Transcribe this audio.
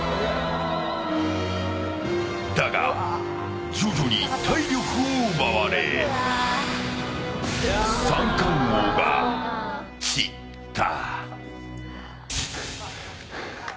だが、徐々に体力を奪われ三冠王が散った。